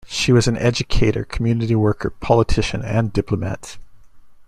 She was an educator, community worker, politician, and diplomat.